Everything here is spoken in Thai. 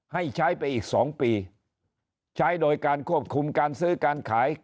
ให้ใช้ไปอีก๒ปีใช้โดยการควบคุมการซื้อการขาย